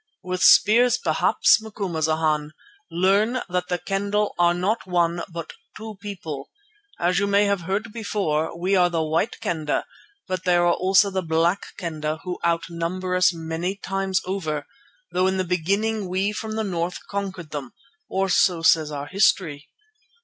"With spears perhaps. Macumazana, learn that the Kendah are not one but two people. As you may have heard before, we are the White Kendah, but there are also Black Kendah who outnumber us many times over, though in the beginning we from the north conquered them, or so says our history.